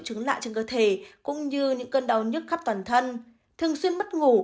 chứng lạ trên cơ thể cũng như những cơn đau nhức khắp toàn thân thường xuyên mất ngủ